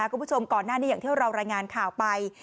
คุณผู้ชมก่อนหน้านี้อย่างที่เรารายงานข่าวไป